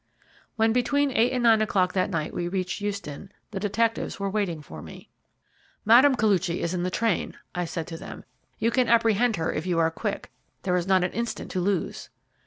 When between eight and nine o'clock that night we reached Euston, the detectives were waiting for me. "Mme. Koluchy is in the train," I said to them; "you can apprehend her if you are quick there is not an instant to lose."